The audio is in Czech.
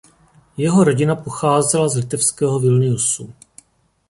Jeho rodina pocházela z litevského Vilniusu.